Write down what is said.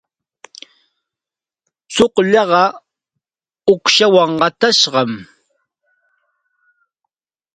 Tsullaaqa uuqshawan qatashqam.